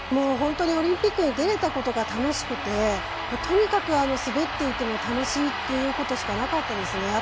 本当にオリンピック出れたことが楽しくてとにかく滑っていても楽しいっていうことしかなかったですね。